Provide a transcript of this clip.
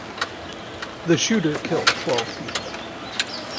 The shooter killed twelve people.